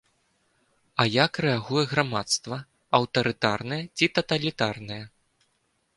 А як рэагуе грамадства аўтарытарнае ці таталітарнае?